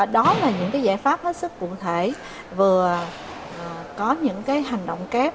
đó là những giải pháp hết sức cụ thể vừa có những hành động kép